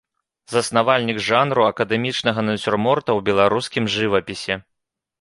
Заснавальнік жанру акадэмічнага нацюрморта ў беларускім жывапісе.